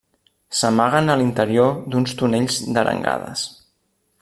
S'amaguen a l'interior d'uns tonells d'arengades.